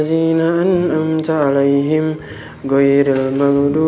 terima kasih going on